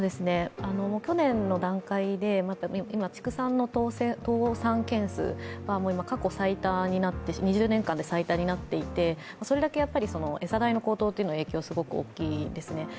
去年の段階で今、畜産の倒産件数が２０年間で過去最多になっていてそれだけ餌代の高騰の影響がすごく大きいんですね。